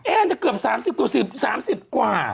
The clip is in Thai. เอ๊จะเกือบ๓๐กว่า